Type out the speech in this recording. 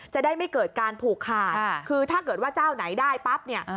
จะได้ไม่เกิดการผูกขาดคือถ้าเกิดว่าเจ้าไหนได้ปั๊บเนี่ย